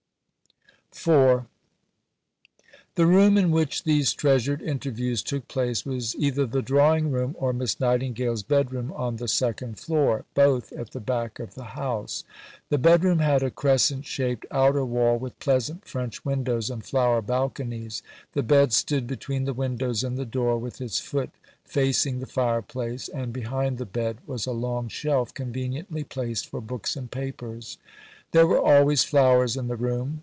IV The room in which these treasured interviews took place was either the drawing room, or Miss Nightingale's bedroom on the second floor both at the back of the house. The bedroom had a crescent shaped outer wall with pleasant French windows and flower balconies. The bed stood between the windows and the door, with its foot facing the fireplace, and behind the bed was a long shelf conveniently placed for books and papers. There were always flowers in the room.